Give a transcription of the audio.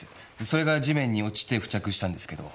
それが地面に落ちて付着したんですけど。